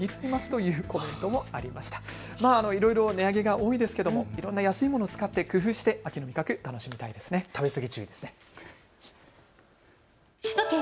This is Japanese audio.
いろいろ値上げが多いですけれどもいろいろ安いものを使って工夫して秋の味覚楽しみたいですね。